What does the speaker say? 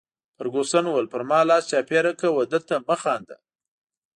فرګوسن وویل: پر ما لاس چاپیره کړه، وه ده ته مه خاندي.